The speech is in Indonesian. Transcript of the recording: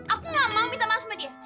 aku gak mau minta maaf sama dia